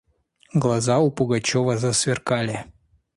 Глаза у Пугачева засверкали.